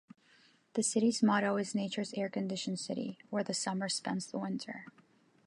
The city's motto is nature's air conditioned city, where the summer spends the winter.